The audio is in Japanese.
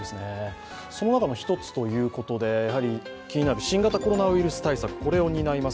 その中の１つということで気になる新型コロナウイルス対策、これを担います